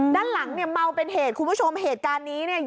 ด้านหลังเนี่ยเมาเป็นเหตุคุณผู้ชมเหตุการณ์นี้เนี่ย